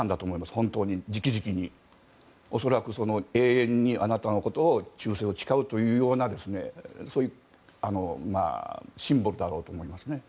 本当に直々に、恐らく永遠にあなたのこと忠誠を誓うというようなシンボルだと思います。